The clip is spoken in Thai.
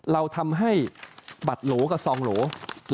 เราทำให้บัตรโหลกับซองโหล